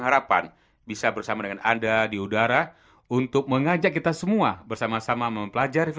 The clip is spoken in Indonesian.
hanya dia satu satunya allah sungguh baik